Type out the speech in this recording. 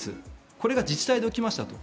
これが自治体で起きましたと。